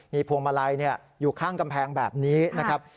พวงมาลัยอยู่ข้างกำแพงแบบนี้นะครับ